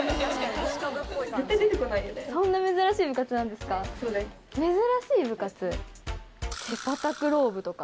そんな珍しい部活ですか？